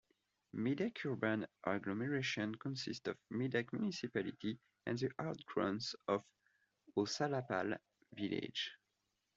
Medak urban agglomeration consists of Medak municipality and the out growth of Ausulapalle village.